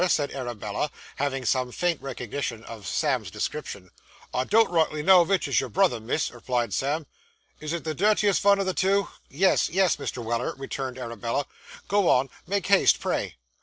said Arabella, having some faint recognition of Sam's description. 'I don't rightly know which is your brother, miss,' replied Sam. 'Is it the dirtiest vun o' the two?' 'Yes, yes, Mr. Weller,' returned Arabella, 'go on. Make haste, pray.